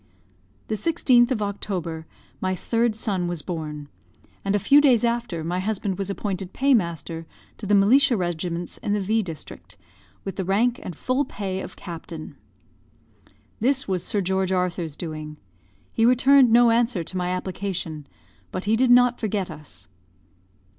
The 16th of October, my third son was born; and a few days after, my husband was appointed pay master to the militia regiments in the V. District, with the rank and full pay of captain. This was Sir George Arthur's doing. He returned no answer to my application, but he did not forget us.